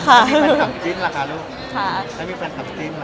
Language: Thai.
มีแฟนคลับจริงหรือคะลูกถ้ามีแฟนคลับจริงหรือ